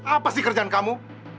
apa sih kerjaan kamu